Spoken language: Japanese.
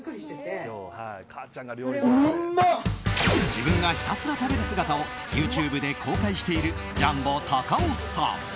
自分がひたすら食べる姿をＹｏｕＴｕｂｅで公開しているジャンボたかおさん。